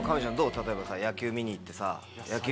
例えば野球見に行ってさ。